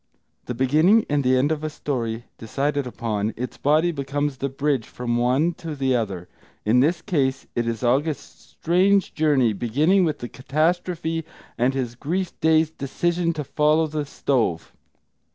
The beginning and the end of a story decided upon, its body becomes the bridge from one to the other; in this case it is August's strange journey, beginning with the catastrophe and his grief dazed decision to follow the stove.